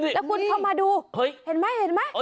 แล้วคุณเข้ามาดูเห็นไหมเห็นไหม